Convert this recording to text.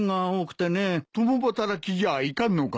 共働きじゃいかんのかね？